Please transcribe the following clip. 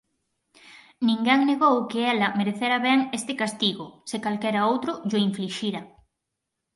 Ninguén negou que ela merecera ben este castigo, se calquera outro llo inflixira.